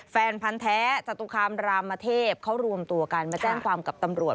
แฟนพันธ์แท้จตุคามรามเทพเขารวมตัวกันมาแจ้งความกับตำรวจ